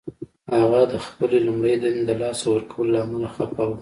هغه د خپلې لومړۍ دندې د لاسه ورکولو له امله خفه و